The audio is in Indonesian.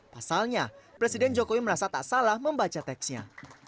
pasalnya presiden joko widodo merasa tak salah membaca teksnya